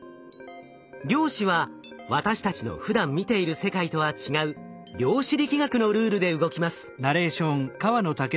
量子は私たちのふだん見ている世界とは違う量子力学のルールで動きます。